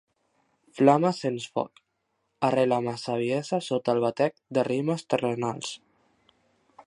Flama sens foc, arrela ma saviesa sota el batec de ritmes terrenals.